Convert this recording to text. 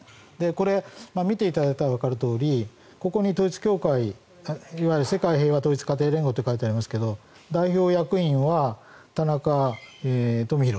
これ、見ていただいたらわかるとおりここにいわゆる世界平和統一家庭連合と書いてありますけど代表役員は田中富広。